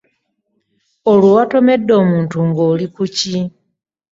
Kati watomede omuntu nga oli kuki?